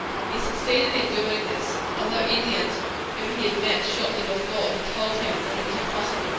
He succeeded in doing this, although Indians whom he had met shortly before had told him that it was impossible.